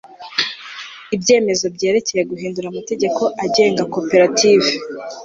ibyemezo byerekeye guhindura amategeko agenga koperative